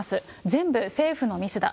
全部政府のミスだ。